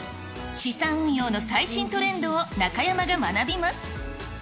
資産運用の最新トレンドを中山が学びます。